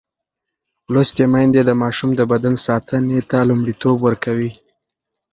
لوستې میندې د ماشوم د بدن ساتنې ته لومړیتوب ورکوي.